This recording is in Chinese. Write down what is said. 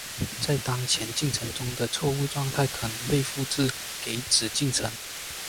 当前进程中的错误状态可能被复制给子进程。